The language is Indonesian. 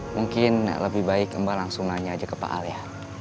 mungkin lebih baik mbak langsung nanya aja ke pak al ya